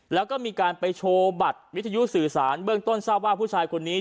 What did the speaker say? แล้วก็มีการไปโชว์บัตรวิทยุสื่อสารเบื้องต้นทราบว่าผู้ชายคนนี้